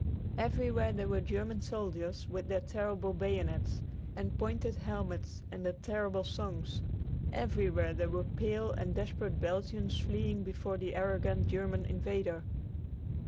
Everywhere there were German soldiers with their terrible bayonets and pointed helmets and their terrible songs. Everywhere there were pale and desperate Belgians fleeing before the arrogant German invader.